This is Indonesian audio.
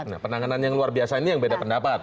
nah penanganan yang luar biasa ini yang beda pendapat